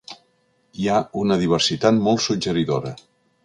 Hi ha una diversitat molt suggeridora.